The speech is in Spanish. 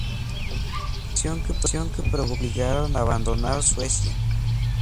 La reacción que provocó lo obligaron a abandonar Suecia.